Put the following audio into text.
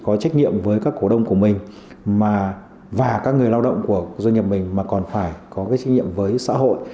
có trách nhiệm với các cổ đông của mình và các người lao động của doanh nghiệp mình mà còn phải có cái trách nhiệm với xã hội